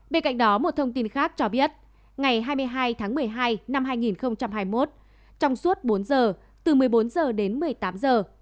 bên cạnh đó một thông tin khác cho biết ngày hai mươi hai tháng một mươi hai năm hai nghìn hai mươi một trong suốt bốn giờ từ một mươi bốn giờ đến một mươi tám giờ